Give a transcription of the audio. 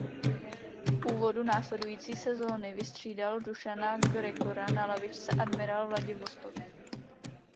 V úvodu následující sezony vystřídal Dušana Gregora na lavičce Admiral Vladivostok.